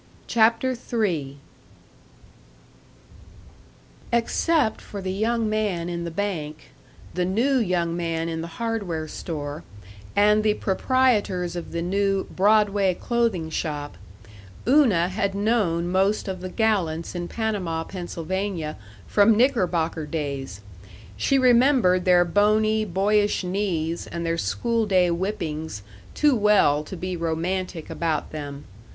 CHAPTER III Except for the young man in the bank, the new young man in the hardware store, and the proprietors of the new Broadway Clothing Shop, Una had known most of the gallants in Panama, Pennsylvania, from knickerbocker days; she remembered their bony, boyish knees and their school day whippings too well to be romantic about them.